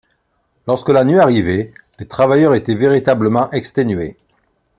Lorsque la nuit arrivait, les travailleurs étaient véritablement exténués.